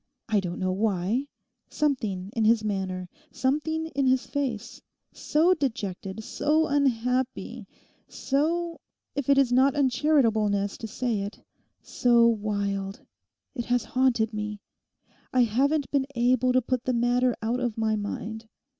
I don't know why—something in his manner, something in his face—so dejected, so unhappy, so—if it is not uncharitablnesse to say it—so wild: it has haunted me: I haven't been able to put the matter out of my mind.